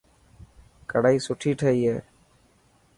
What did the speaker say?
ڪڙائي سوٺي ٺهي هي.